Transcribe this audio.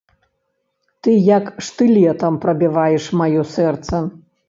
Ты як штылетам прабіваеш маё сэрца!